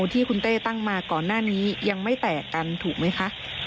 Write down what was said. ที่คุณเต้ตั้งมาก่อนหน้านี้ยังไม่แตกกันถูกไหมคะ